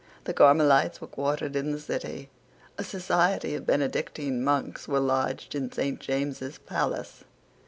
The Carmelites were quartered in the City. A society of Benedictine monks was lodged in Saint James's Palace.